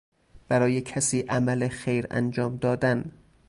برای کسی عمل خیر انجام دادن